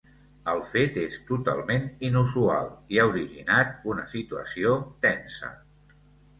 El fet és totalment inusual i ha originat una situació tensa.